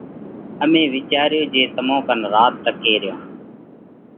امي وِيچاريو جي تمون ڪنَ رات ٽڪي ريون۔